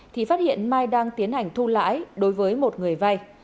thì phát hiện mai đang tiến hành thu lãi đối với một người vay